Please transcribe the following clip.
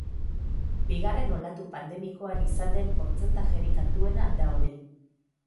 Bigarren olatu pandemikoan izan den portzentajerik altuena da hori.